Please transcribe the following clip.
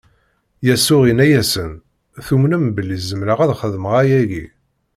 Yasuɛ inna-asen:Tumnem belli zemreɣ ad xedmeɣ ayagi?